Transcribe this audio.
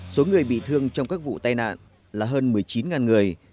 số người bị thương trong các vụ tai nạn là hơn một mươi chín người